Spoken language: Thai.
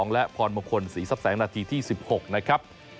และพรมคลสีซับแสงณที่๑๖นะครับ